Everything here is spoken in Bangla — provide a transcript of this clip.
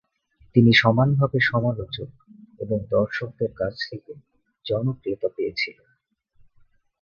তিনি সমানভাবে সমালোচক এবং দর্শকদের কাছ থেকে জনপ্রিয়তা পেয়েছিলেন।